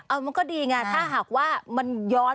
มันก็ดีไงถ้าหากว่ามันย้อน